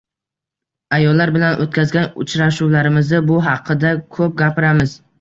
Ayollar bilan o`tkazgan uchrashuvlarimizda bu haqida ko`p gapiramiz